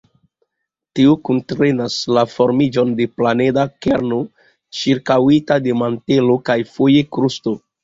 Tio kuntrenas la formiĝon de planeda kerno ĉirkaŭita de mantelo kaj, foje, krusto.